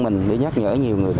mình để nhắc nhở nhiều người